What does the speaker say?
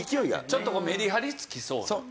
ちょっとメリハリつきそうな。